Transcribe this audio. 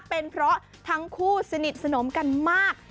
เป็นเพราะทั้งคู่สนิทสนมกันมาก